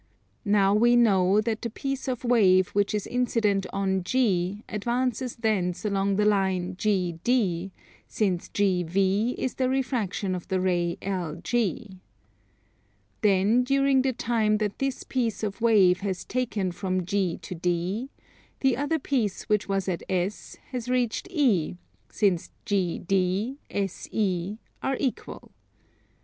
Now we know that the piece of wave which is incident on G, advances thence along the line GD, since GV is the refraction of the ray LG. Then during the time that this piece of wave has taken from G to D, the other piece which was at S has reached E, since GD, SE are equal.